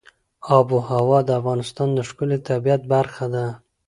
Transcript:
آب وهوا د افغانستان د ښکلي طبیعت برخه ده.